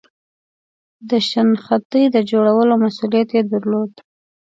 د شنختې د جوړولو مسئولیت یې درلود.